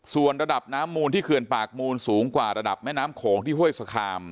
ส่วนระดับน้ำมูลที่เขื่อนปากมูลสูงกว่าระดับแม่น้ำโขงที่ห้วยสคาม